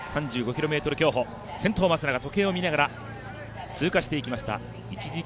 ３５周するという３５ｋｍ競歩先頭、松永、時計を見ながら通過していきました。